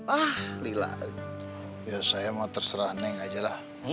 ah lila biar saya mau terserah neng ajalah